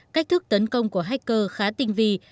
cách thức tấn công của hacker khá tinh vi